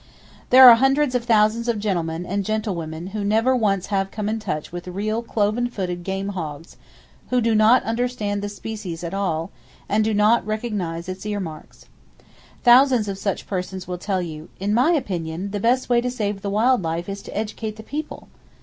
There are hundreds of thousands of gentlemen and gentlewomen who never once have come in touch with real cloven footed game hogs, who do not understand the species at all, and do not recognize its ear marks. Thousands of such persons will tell you: "In my opinion, the best way to save the wild life is to educate the people!"